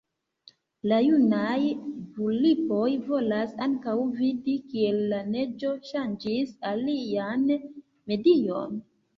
La junaj vulpoj volas ankaŭ vidi kiel la neĝo ŝanĝis ilian medion.